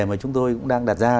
mà chúng tôi cũng đang đặt ra